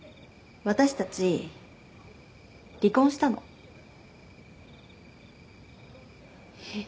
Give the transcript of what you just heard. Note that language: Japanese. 私たち離婚したのえっ？